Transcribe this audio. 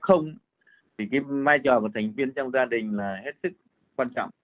thì cái vai trò của thành viên trong gia đình là hết sức quan trọng